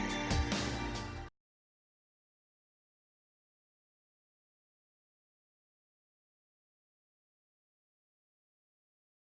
pembeli di bali juga tidak tahu